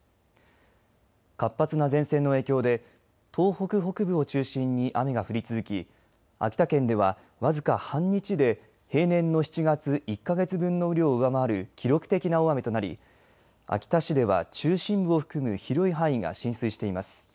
活発な前線の影響で東北北部を中心に雨が降り続き秋田県では僅か半日で平年の７月１か月分の雨量を上回る記録的な大雨となり秋田市では中心部を含む広い範囲が浸水しています。